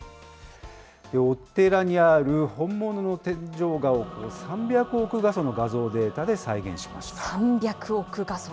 お寺にある本物の天井画を３００億画素の画像データで再現しまし３００億画素。